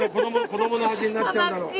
子供の味になっちゃうんだろう。